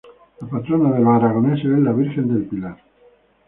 La patrona de los aragoneses es la Virgen del Pilar.